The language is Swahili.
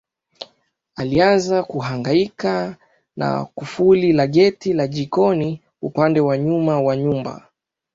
Alianza kuhangaika na kufuli la geti la jikoni upande wa nyuma wa nyumba